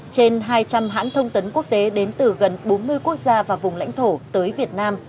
trên hai trăm linh hãng thông tấn quốc tế đến từ gần bốn mươi quốc gia và vùng nước